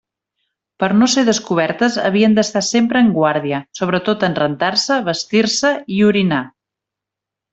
Per no ser descobertes havien d'estar sempre en guàrdia, sobretot en rentar-se, vestir-se i orinar.